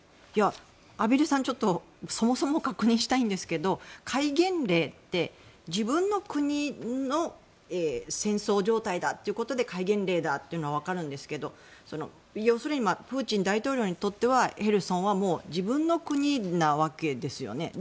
畔蒜さん、ちょっとそもそも確認したいんですが戒厳令って、自分の国の戦争状態だということで戒厳令だというのはわかるんですけど要するにプーチン大統領にとってはヘルソンはもう、自分の国なわけですよね。